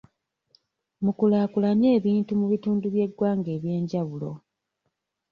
Mukulaakulanye ebintu mu bitundu by'eggwanga eby'enjawulo.